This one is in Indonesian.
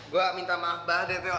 gua minta maaf banget deh teo